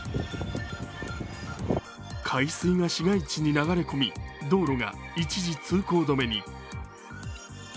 海水が市街地に流れ込み、道路が一時、通行止めに。